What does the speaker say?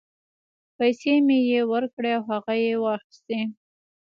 پیسې مې یې ورکړې او هغه یې واخیستې.